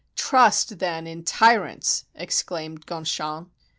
"Trust, then, in t3n ants!" exclaimed Gonchon.